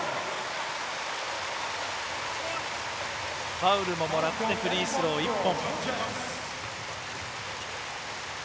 ファウルももらってフリースロー１本。